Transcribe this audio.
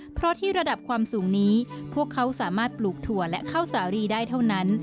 เพราะที่ระดับความสูงนี้พวกเขาสามารถปลูกถั่วและข้าวสารีได้เท่านั้น